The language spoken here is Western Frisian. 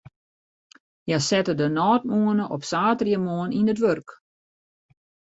Hja sette de nôtmûne op saterdeitemoarn yn it wurk.